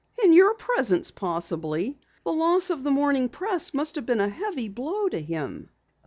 "In your presence, possibly. The loss of the Morning Press must have been a heavy blow to him."